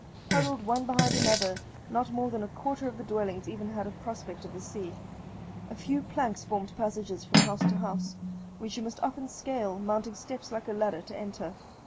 Huddled one behind another, not more than a quarter of the dwellings even had a prospect of the sea. A few planks formed passages from house to house, which you must often scale, mounting steps like a ladder to enter.